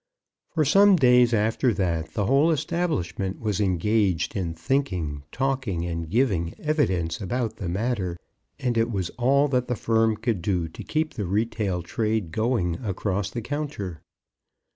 For some days after that the whole establishment was engaged in thinking, talking, and giving evidence about the matter, and it was all that the firm could do to keep the retail trade going across the counter.